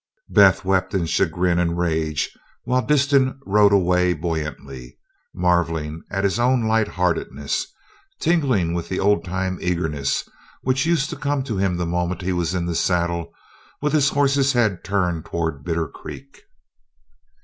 Beth wept in chagrin and rage while Disston rode away buoyantly, marvelling at his own light heartedness, tingling with the old time eagerness which used to come to him the moment he was in the saddle with his horse's head turned toward Bitter Creek.